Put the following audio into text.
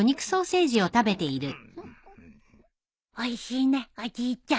おいしいねおじいちゃん。